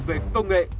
về công nghệ